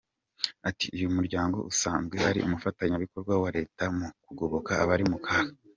Ati “uyu muryango usanzwe ari umufatanyabikorwa wa Leta mu kugoboka abari mu kaga.